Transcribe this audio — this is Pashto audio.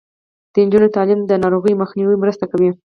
د نجونو تعلیم د ناروغیو مخنیوي مرسته کوي.